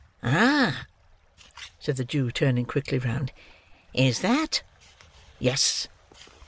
"Ah!" said the Jew, turning quickly round, "is that—" "Yes!"